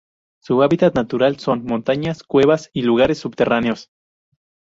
Su hábitat natural son: montañas, cuevas, y los lugares subterráneos.